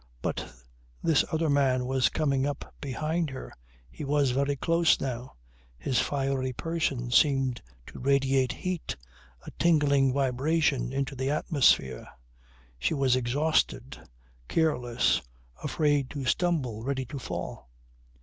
But this other man was coming up behind her. He was very close now. His fiery person seemed to radiate heat, a tingling vibration into the atmosphere. She was exhausted, careless, afraid to stumble, ready to fall.